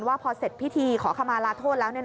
ว่าพอเสร็จพิธีขอขมาลาโทษแล้ว